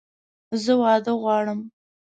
زه واده غواړم!